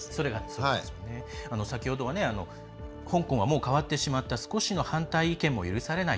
先ほどは、香港はもう変わってしまった少しの反対意見も許されない。